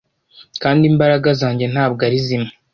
Kandi imbaraga zanjye ntabwo ari zimwe